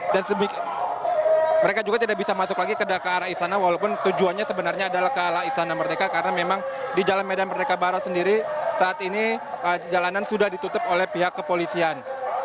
dan mereka juga tidak bisa masuk lagi ke arah istana walaupun tujuannya sebenarnya adalah ke arah istana merdeka karena memang di jalan medan merdeka barat sendiri saat ini jalanan sudah ditutup oleh pihak kepolisian